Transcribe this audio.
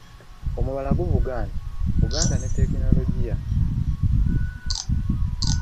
Omubala gwa kuvuga nti,"Buganda ne tekinologiya".